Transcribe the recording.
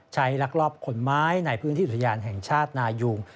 ลักลอบขนไม้ในพื้นที่อุทยานแห่งชาตินายุง